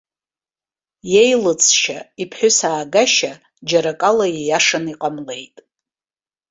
Иеилыҵшьа, иԥҳәыс аагашьа, џьара акала ииашаны иҟамлеит.